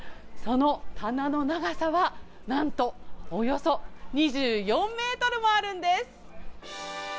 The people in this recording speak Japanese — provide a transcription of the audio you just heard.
その棚の長さは、なんと、およそ２４メートルもあるんです。